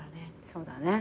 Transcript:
そうだね。